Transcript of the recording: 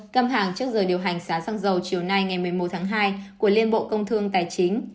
căng hàng trước giờ điều hành giá xăng dầu chiều nay ngày một mươi một tháng hai của liên bộ công thương tài chính